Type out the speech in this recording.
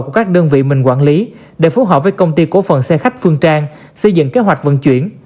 của các đơn vị mình quản lý để phù hợp với công ty cố phận xe khách phương trang xây dựng kế hoạch vận chuyển